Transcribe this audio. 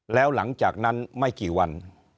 แล้วหลังจากนั้นไม่กี่วัน